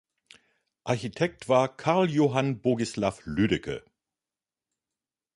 Architekt war Carl Johann Bogislaw Lüdecke.